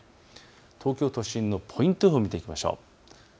東京都心のポイント予報を見ていきましょう。